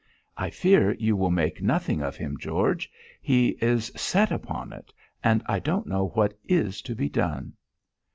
"I fear you will make nothing of him, George. He is set upon it, and I don't know what IS to be done."